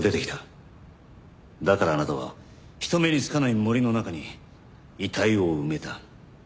だからあなたは人目につかない森の中に遺体を埋めた。